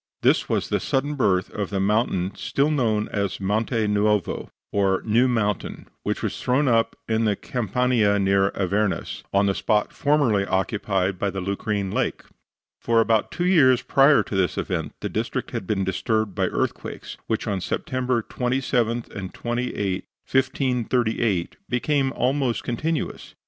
This was the sudden birth of the mountain still known as Monte Nuovo, or New Mountain, which was thrown up in the Campania near Avernus, on the spot formerly occupied by the Lucrine Lake. For about two years prior to this event the district had been disturbed by earthquakes, which on September 27 and 28, 1538, became almost continuous.